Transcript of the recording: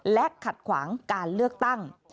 และขัดขวางการเลือกตั้ง